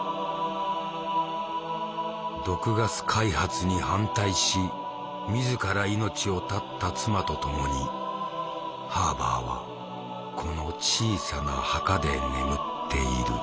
毒ガス開発に反対し自ら命を絶った妻と共にハーバーはこの小さな墓で眠っている。